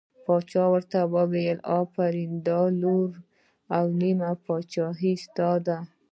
باچا ورته وویل آفرین دا لور او نیمه پاچهي ستا ده.